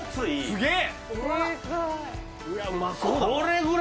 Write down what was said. すげえ！